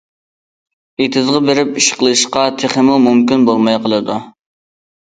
ئېتىزغا بېرىپ ئىش قىلىشقا تېخىمۇ مۇمكىن بولماي قالىدۇ.